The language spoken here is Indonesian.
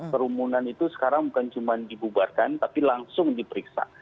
kerumunan itu sekarang bukan cuma dibubarkan tapi langsung diperiksa